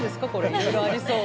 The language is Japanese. いろいろありそう。